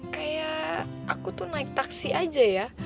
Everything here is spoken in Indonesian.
kayak aku tuh naik taksi aja ya